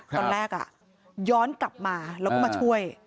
ตอนแรกย้อนกลับมาแล้วก็มาช่วย